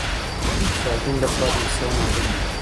د ساتنې لپاره انسان اړین دی